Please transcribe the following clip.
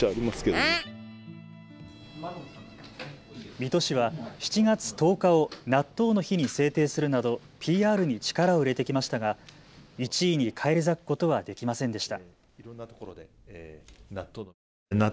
水戸市は７月１０日を納豆の日に制定するなどＰＲに力を入れてきましたが１位に返り咲くことはできませんでした。